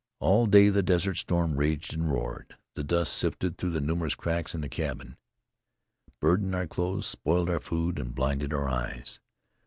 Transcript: All day the desert storm raged and roared. The dust sifted through the numerous cracks in the cabin burdened our clothes, spoiled our food and blinded our eyes.